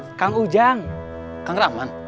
saya pengen gilak gilakan